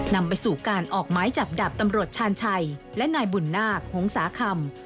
นำไปสู่การออกไม้จับดาบตำรวจชาญชัยและนายบุญนาคหงษาคำ